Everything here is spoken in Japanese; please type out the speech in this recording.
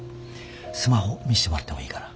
スマホ見してもらってもいいかな？